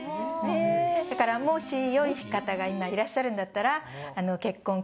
だからもし良い方が今いらっしゃるんだったら。